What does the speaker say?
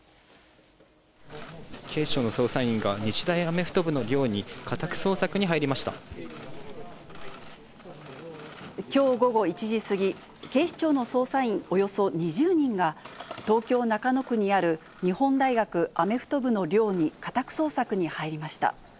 警視庁の捜査員が日大アメフきょう午後１時過ぎ、警視庁の捜査員およそ２０人が、東京・中野区にある日本大学アメフト部の寮に家宅捜索に入りました。